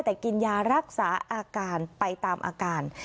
แต่กินยารักษาอาการไปตามอาการ